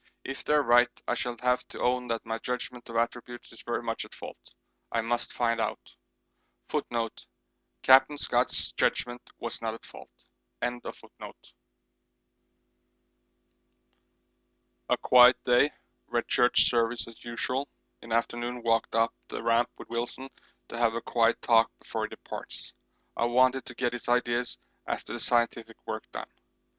If they are right I shall have to own that my judgment of attributes is very much at fault. I must find out. A quiet day. Read Church Service as usual; in afternoon walked up the Ramp with Wilson to have a quiet talk before he departs. I wanted to get his ideas as to the scientific work done.